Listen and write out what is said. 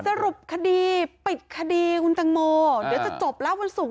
สรุปคดีปิดคดีคุณตังโมเดี๋ยวจะจบแล้ววันศุกร์